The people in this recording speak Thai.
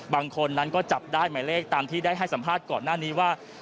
บางคนนั้นก็จับได้หมายเลขตามที่ได้ให้สัมภาษณ์ก่อนหน้านี้ว่า